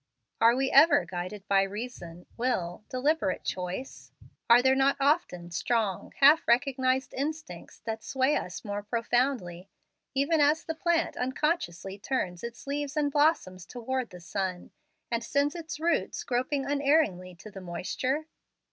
Are we ever guided by reason, will, deliberate choice? Are there not often strong half recognized instincts that sway us more profoundly, even as the plant unconsciously turns its leaves and blossoms towards the sun, and sends its roots groping unerringly to the moisture?